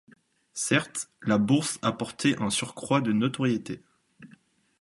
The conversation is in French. Certes, la Bourse apportait un surcroît de notoriété.